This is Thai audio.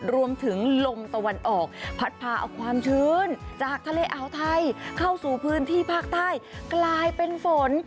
รวมถึงลมตะวันออกพัดพาเอาความชื้นจากทะเลอาวไทยเข้าสู่พื้นที่ภาคใต้กลายเป็นฝน